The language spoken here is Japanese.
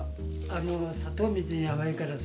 砂糖水より甘いからさ。